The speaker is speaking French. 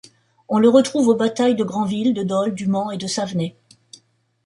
On le retrouve aux batailles de Granville, de Dol, du Mans et de Savenay.